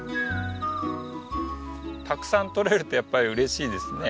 たくさん取れるとやっぱり嬉しいですね。